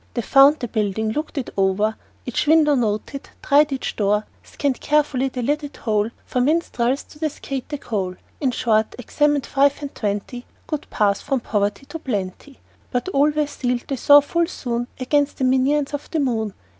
They found the building, looked it o'er, Each window noted, tried each door, Scanned carefully the lidded hole For minstrels to cascade the coal In short, examined five and twenty Good paths from poverty to plenty. But all were sealed, they saw full soon, Against the minions of the moon.